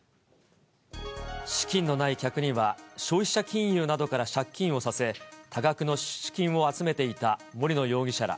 資金のない客には消費者金融などから借金をさせ、多額の出資金を集めていた森野容疑者ら。